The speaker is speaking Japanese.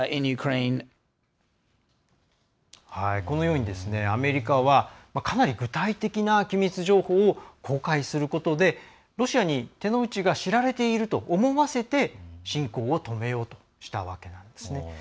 このようにアメリカはかなり具体的な機密情報を公開することでロシアに、手の内が知られていると思わせて侵攻を止めようとしたわけなんですね。